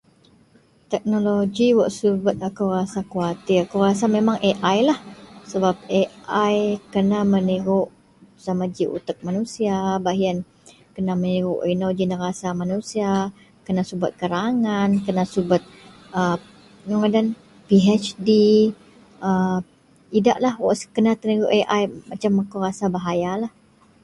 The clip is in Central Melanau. teknologi wak subet akou rasa khawatir, akou rasa memang AI lah, sebab AI kena meniruk sama ji otak manusia baih ien kena meniruk inou ji nerasa manusia, kena subet kerangan, kena subet a inou ngadan PHD a idaklah wak kena teniruk AI, akou rasa bahayalah